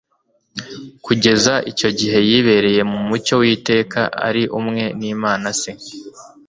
Kugeza icyo gihe yibereye mu mucyo w'iteka, ari umwe n'Imana Se,